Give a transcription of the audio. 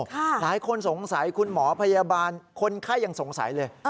หลายคนสงสัยคุณหมอพยาบาลคนไข้ยังสงสัยเลย